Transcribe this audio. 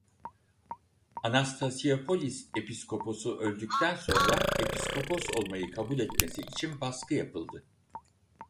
Anastasiopolis Episkoposu öldükten sonra Episkopos olmayı Kabul etmesi için baskı yapıldı.